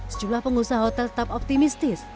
sejumlah pengusaha hotel tetap optimistis